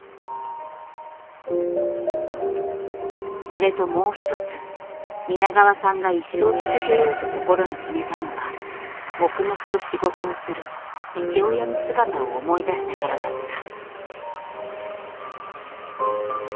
それともう一つ皆川さんが一生続けようと心に決めたのは黙々と仕事をする父親の姿を思い出したからだった。